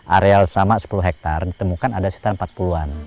areal sama sepuluh hektare ditemukan ada sekitar empat puluh an